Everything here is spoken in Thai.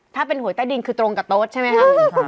ถ้าเป็นหวยใต้ดินคือตรงกับโต๊ะใช่ไหมคะ